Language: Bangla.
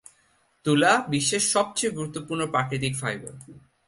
তুলা বিশ্বের সবচেয়ে গুরুত্বপূর্ণ প্রাকৃতিক ফাইবার।